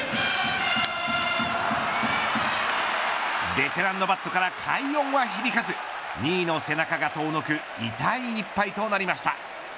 ベテランのバットから快音は響かず２位の背中が遠のく痛い一敗となりました。